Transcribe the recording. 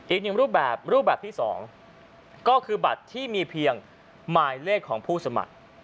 อีกหนึ่งรูปแบบรูปแบบที่๒ก็คือบัตรที่มีเพียงหมายเลขของผู้สมัคร